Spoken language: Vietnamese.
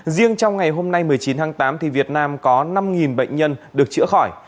riêng trong ngày hôm nay một mươi chín tháng tám việt nam có năm bệnh nhân được chữa khỏi